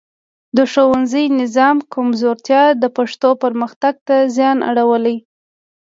د ښوونیز نظام کمزورتیا د پښتو پرمختګ ته زیان اړولی.